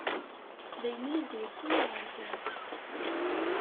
D ayen i yi-d-yewwin ɣer da.